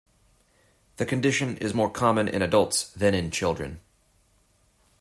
The condition is more common in adults than in children.